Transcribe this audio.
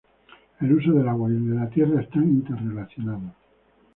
El uso del agua y el de la tierra están interrelacionados.